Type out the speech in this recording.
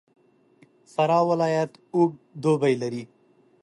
فراه ولایت اوږد دوبی لري.